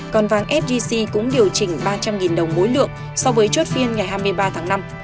còn vàng sgc cũng điều chỉnh ba trăm linh đồng mỗi lượng so với chốt phiên ngày hai mươi ba tháng năm